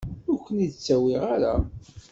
Ur ken-id-ttawiɣ ara.